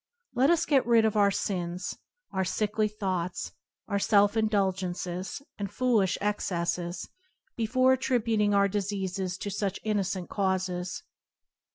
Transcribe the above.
Let us get rid of our sins, our sickly thoughts, our self indul gences and foolish excesses before attrib uting our diseases to such innocent causes.